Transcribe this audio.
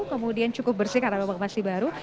kemudian cukup bersih karena memang masih baru